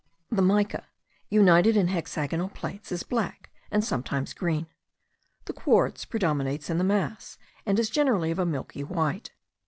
The mica, united in hexagonal plates, is black, and sometimes green. The quartz predominates in the mass; and is generally of a milky white.